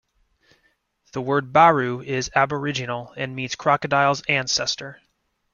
The word Baru is Aboriginal and means "crocodile's ancestor".